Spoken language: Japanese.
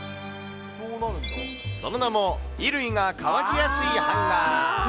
その名も、衣類が乾きやすいハンガー。